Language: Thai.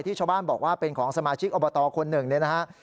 ชาวบ้านบอกว่าเป็นของสมาชิกอบตคนหนึ่งเนี่ยนะฮะ